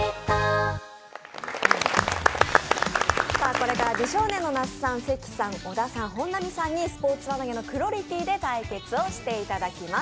これから美少年の那須さん関さん小田さん、本並さんにスポーツ輪投げのクロリティーで対決をしていただきます。